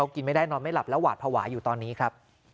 คุณผู้ชมค่ะ